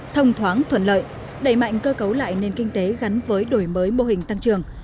thông thoáng thuận lợi đẩy mạnh cơ cấu lại nền kinh tế gắn với đổi mới mô hình tăng trường